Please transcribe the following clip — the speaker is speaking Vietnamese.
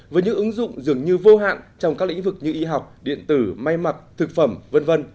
với những ứng dụng dường như vô hạn trong các lĩnh vực như y học điện tử may mặt thực phẩm v v